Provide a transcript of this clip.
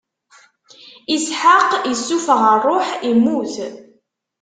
Isḥaq issufeɣ ṛṛuḥ, immut.